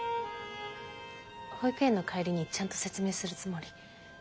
保育園の帰りにちゃんと説明するつもり。